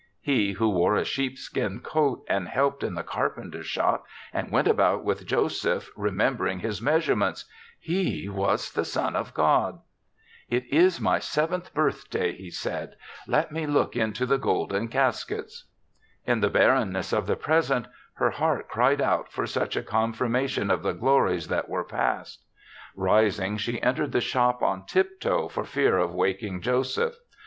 He, who wore a sheepskin coat and helped in the carpenter's shop and went about with Joseph remember ing his measurements — he was the son of God. "It is my seventh birthday," he THE SEVENTH CHRISTMAS 47 said; "let me look into the golden caskets." In the barrenness of the present, her heart cried out for such a con firmation of the glories that were past. Rising, she entered the shop on tiptoe for fear of waking Joseph.